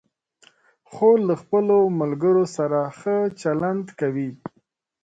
خور له خپلو ملګرو سره ښه چلند کوي.